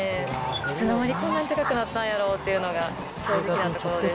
いつの間にこんなに高くなったんやろっていう、正直なところです。